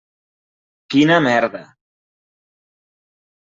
Quina merda!